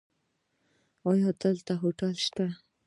ایا دلته هوټل شته؟